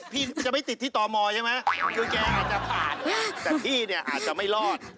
คือแกอาจจะผ่านแต่ที่นี่อาจจะไม่รอด